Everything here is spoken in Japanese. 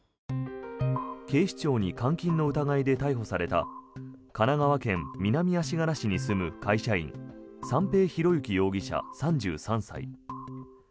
警視庁に監禁の疑いで逮捕された神奈川県南足柄市に住む会社員三瓶博幸容疑者、３３歳。